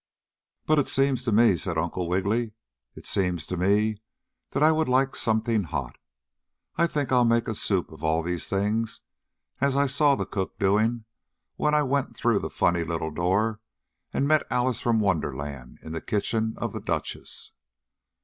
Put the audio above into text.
"But it seems to me," said Uncle Wiggily, "it seems to me that I would like something hot. I think I'll make a soup of all these things as I saw the cook doing when I went through the funny little door and met Alice from Wonderland in the kitchen of the Duchess."